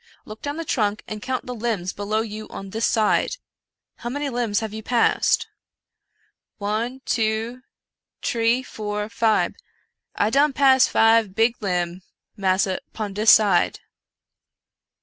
Look down the trunk and count the Hmbs below you on this side. How many Hmbs have you passed ?"" One, two, tree, four, fibe — I done pass fibe big limb, massa, 'pon dis side."